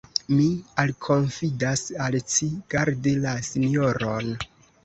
Mi alkonfidas al ci, gardi la sinjoron.